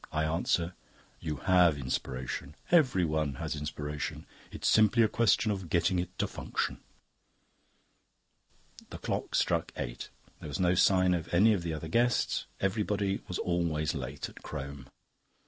I answer: you have Inspiration; everyone has Inspiration. It's simply a question of getting it to function." The clock struck eight. There was no sign of any of the other guests; everybody was always late at Crome.